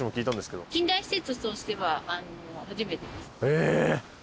え！